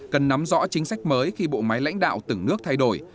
cần nắm rõ chính sách mới khi bộ máy lãnh đạo từng nước thay đổi